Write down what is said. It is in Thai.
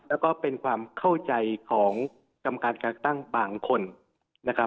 แล้วก็เป็นความเข้าใจของกรรมการการตั้งบางคนนะครับ